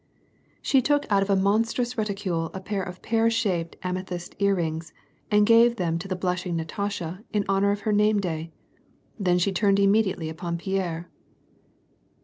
She took out of a monstrous reticule a pair of pear shaped ametliyst earrings, and gave them to the blushing Natasha in honor of her name day; then she turned immediately upon Pierre.